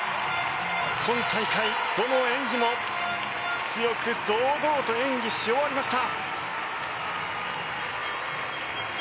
今大会、どの演技も強く堂々と演技し終わりました。